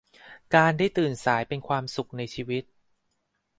การได้ตื่นสายเป็นความสุขในชีวิต